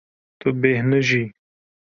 Tu bêhnijî.